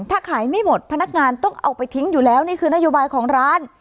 ถ้าขายไม่หมดพนักงานต้องเอาไปทิ้งอยู่แล้วนี่คือนโยบายของร้าน